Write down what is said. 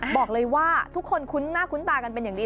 บอกเลยว่าทุกคนคุ้นหน้าคุ้นตากันเป็นอย่างดี